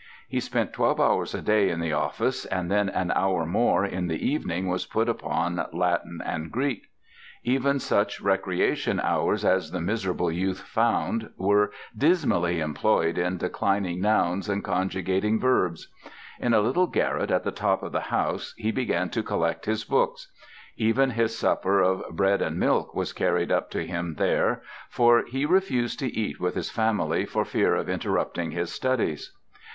He spent twelve hours a day in the office and then an hour more in the evening was put upon Latin and Greek. Even such recreation hours as the miserable youth found were dismally employed in declining nouns and conjugating verbs. In a little garret at the top of the house he began to collect his books; even his supper of bread and milk was carried up to him there, for he refused to eat with his family for fear of interrupting his studies.